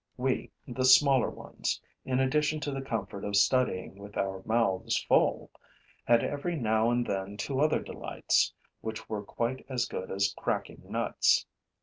We, the smaller ones, in addition to the comfort of studying with our mouths full, had every now and then two other delights, which were quite as good as cracking nuts.